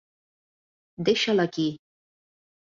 Deixa'l aquí!